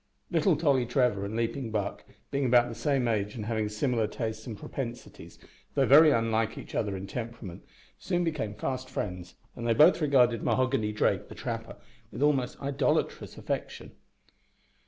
Little Tolly Trevor and Leaping Buck being about the same age, and having similar tastes and propensities, though very unlike each other in temperament soon became fast friends, and they both regarded Mahoghany Drake, the trapper, with almost idolatrous affection.